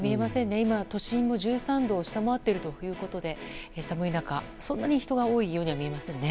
今、都心も１３度を下回っているということで寒い中、そんなに人が多いようには見えませんね。